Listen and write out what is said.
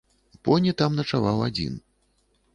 Поні там начаваў адзін.